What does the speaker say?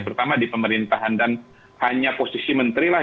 terutama di pemerintahan dan hanya posisi menteri lah